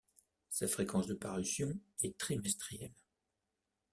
Sa fréquence de parution est trimestrielle.